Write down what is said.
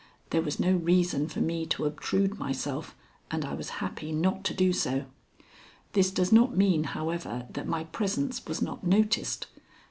There was no reason for me to obtrude myself, and I was happy not to do so. This does not mean, however, that my presence was not noticed.